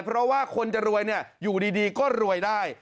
เพราะว่าคนจะรวยอยู่ดีก็รวยได้